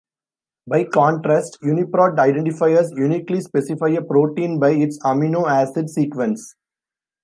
By contrast, UniProt identifiers uniquely specify a protein by its amino acid sequence.